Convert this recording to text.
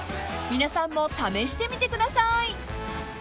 ［皆さんも試してみてください］